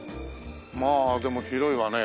まあでも広いわね。